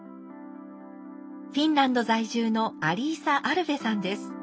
フィンランド在住のアリーサ・アルヴェさんです。